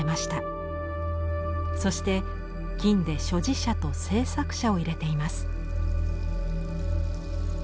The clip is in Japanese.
そして金で所持者と制作者を入れています。